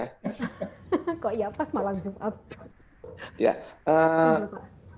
kok ya pas malam jumat